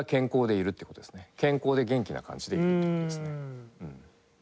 健康で元気な感じでいるっていう事ですね。